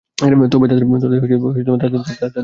তবে তাদের পক্ষে খুব কম লোক রয়েছে।